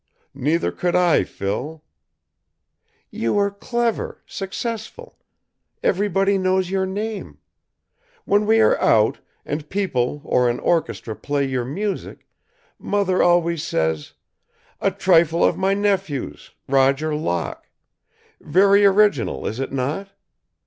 "Neither could I, Phil." "You are clever, successful. Everybody knows your name. When we are out, and people or an orchestra play your music, Mother always says: 'A trifle of my nephew's, Roger Locke. Very original, is it not?